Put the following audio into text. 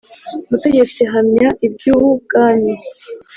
mutegetsi Hamya iby Ubwami